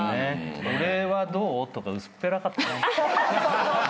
「俺はどう？」とか薄っぺらかったね。